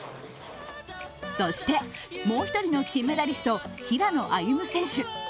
そしてもう一人の金メダリスト平野歩夢選手。